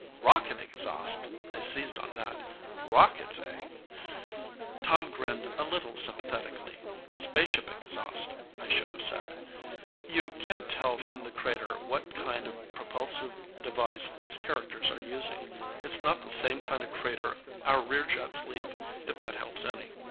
"Rocket exhaust?" I seized on that. "Rockets, eh?" Tom grinned a little sympathetically. "Spaceship exhaust, I should have said. You can't tell from the crater what kind of propulsive device these characters are using. It's not the same kind of crater our rear jets leave, if that helps any."